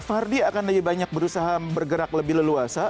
vardy akan lebih banyak berusaha bergerak lebih leluhur